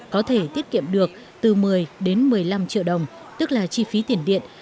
các tấm pin này được kiểm được từ một mươi đến một mươi năm triệu đồng tức là chi phí tiền điện